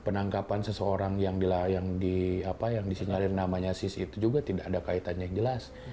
penangkapan seseorang yang disinyalir namanya sis itu juga tidak ada kaitannya yang jelas